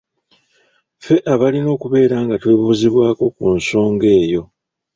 Ffe abalina okubeera nga twebuuzibwako ku nsonga eyo.